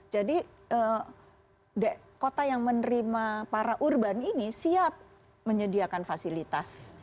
jadi kota yang menerima para urban ini siap menyediakan fasilitas